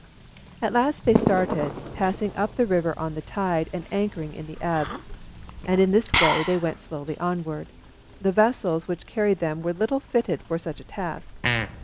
At last they started, passing up the river on the tide, and anchoring in the ebb, and in this way went slowly onward. The vessels which carried them were little fitted for such a task.